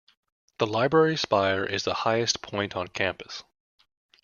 The Library spire is the highest point on campus.